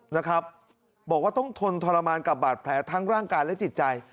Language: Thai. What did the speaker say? นะครับบอกว่าต้องทนทรมานกับบาดแผลทั้งร่างกายและจิตใจ